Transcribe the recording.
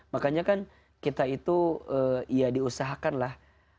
makanya kan kita itu ya diusahakanlah